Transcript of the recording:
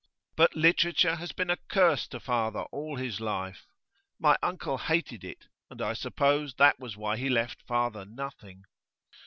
But literature has been a curse to father all his life. My uncle hated it, and I suppose that was why he left father nothing.